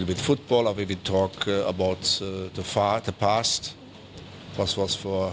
ดูให้ท่านด้านล่างชั้นรับความหวังที่พวกของเรา